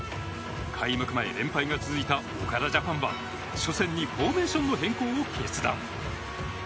開幕前、連敗が続いた岡田ジャパンは初戦にフォーメーションの変更を決断。